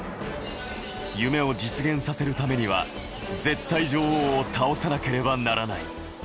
夢を実現させるためには絶対女王を倒さなければならない。